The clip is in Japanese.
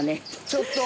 ちょっと！